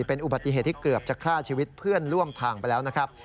เป็นอุบัติเหตุที่เกือบจะฆ่าชีวิตเพื่อนร่วมทางไปแล้วนะครับ